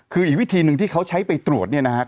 คืออีกวิธีหนึ่งที่เขาใช้ไปตรวจเนี่ยนะครับ